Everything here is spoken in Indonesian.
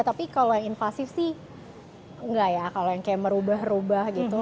tapi kalau yang invasif sih enggak ya kalau yang kayak merubah rubah gitu